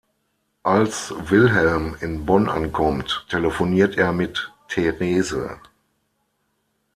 Als Wilhelm in Bonn ankommt, telefoniert er mit Therese.